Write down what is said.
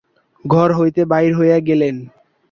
ঘর হইতে বাহির হইয়া গেলেন।